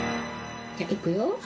じゃあいくよ。